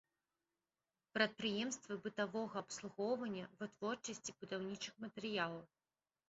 Прадпрыемствы бытавога абслугоўвання, вытворчасці будаўнічых матэрыялаў.